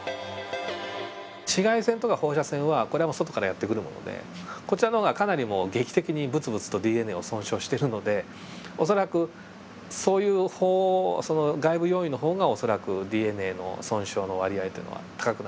紫外線とか放射線はこれはもう外からやって来るものでこちらの方がかなり劇的にぶつぶつとＤＮＡを損傷しているので恐らくそういう方外部要因の方が恐らくＤＮＡの損傷の割合っていうのは高くなる原因だと思うんですけど。